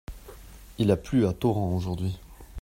Il a plu à torrent aujourd’hui.